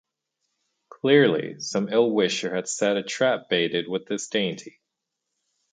Clearly some ill-wisher had set a trap baited with this dainty.